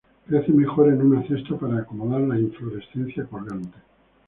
Crecen mejor en una cesta para acomodar la inflorescencia colgante.